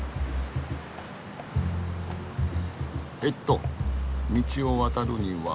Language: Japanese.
えっと道を渡るには。